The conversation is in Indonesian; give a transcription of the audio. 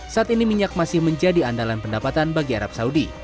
saat ini minyak masih menjadi andalan pendapatan bagi arab saudi